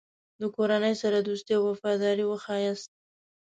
د کورنۍ سره دوستي او وفاداري وښیاست.